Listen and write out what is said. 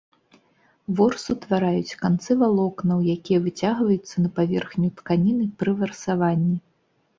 Ворс утвараюць канцы валокнаў, якія выцягваюцца на паверхню тканіны пры варсаванні.